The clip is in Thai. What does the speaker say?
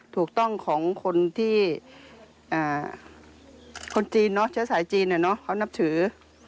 ถูกต้องของคนที่คนจีนเนอะเชื้อสายจีนเนี่ยเนอะเขานับถือ